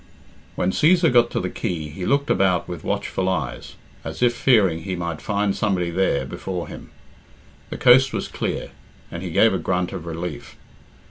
When Cæsar got to the quay, he looked about with watchful eyes, as if fearing he might find somebody there before him. The coast was clear, and he gave a grunt of relief.